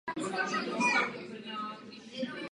Zároveň nadále zastával i funkci ministra spravedlnosti.